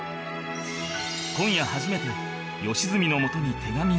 今夜初めて良純のもとに手紙が渡る